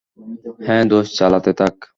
হ্যাঁ, দোস্ত, চালাতে থাক।